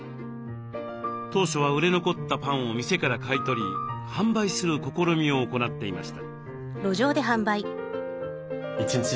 当初は売れ残ったパンを店から買い取り販売する試みを行っていました。